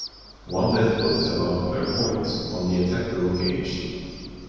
One deathblow is allowed per point on the Attack Level gauge.